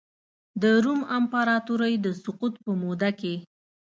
د روم امپراتورۍ د سقوط په موده کې.